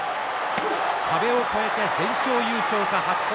壁を越えて全勝優勝か白鵬。